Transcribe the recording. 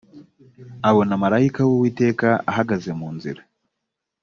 abona marayika w‘uwiteka ahagaze mu nzira